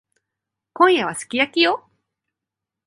今夜はすき焼きよ。